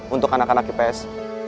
untuk anak anak ips